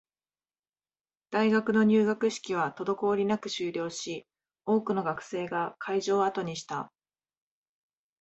大学の入学式は滞りなく終了し、多くの学生が会場を後にした